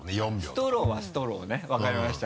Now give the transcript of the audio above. ストローはストローね分かりました。